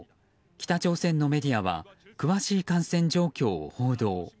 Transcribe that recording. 北朝鮮のメディアは詳しい感染状況を報道。